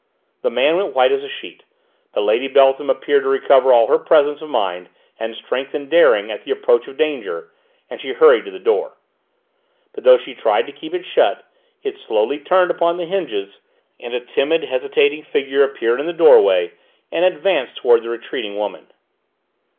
The man went as white as a sheet, but Lady Beltham appeared to recover all her presence of mind, and strength, and daring, at the approach of danger, and she hurried to the door. But though she tried to keep it shut, it slowly turned upon the hinges, and a timid, hesitating figure appeared in the doorway and advanced towards the retreating woman.